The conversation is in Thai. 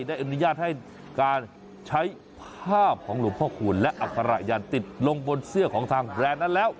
ได้อนุญาตให้การใช้ภาพของหลวงพ่อคูณและอัคระยันติดลงบนเสื้อของทางแบรนด์นั้นแล้ว